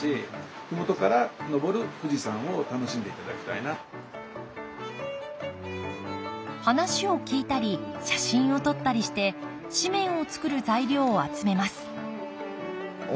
かなり増えてるので話を聞いたり写真を撮ったりして紙面を作る材料を集めます